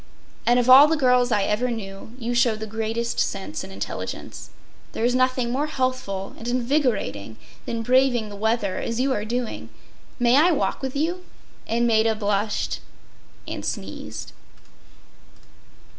And of all the girls I ever knew, you show the greatest sense and intelligence. There is nothing more healthful and invigorating than braving the weather as you are doing. May I walk with you?” And Maida blushed and sneezed.